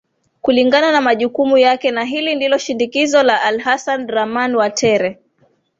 kulingana na majukumu yake na hili ndio shindikizo la alhasan draman watere